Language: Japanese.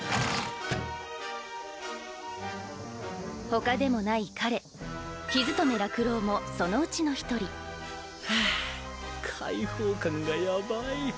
ほかでもない彼陽務楽郎もそのうちの一人はぁ解放感がやばい。